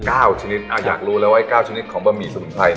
ชนิดอ่าอยากรู้แล้วว่าไอ้เก้าชนิดของบะหมี่สมุนไพร